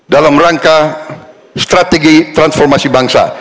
dalam rangka strategi transformasi bangsa